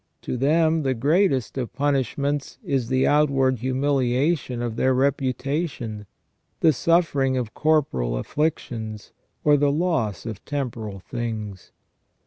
To them the greatest of punishments is the outward humiliation of their reputation, the suffering of corporal afflictions, or the loss of temporal things.